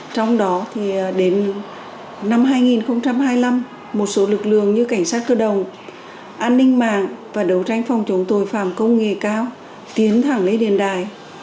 trong đó thì đến năm hai nghìn hai mươi năm một số lực lượng như cảnh sát cơ đồng an ninh mạng và đấu tranh phòng chống tội phạm công nghệ cao tiến thẳng lấy điền đài